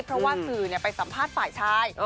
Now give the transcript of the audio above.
เพราะว่าสื่อไปสัมภาษณ์ฝ่ายชาย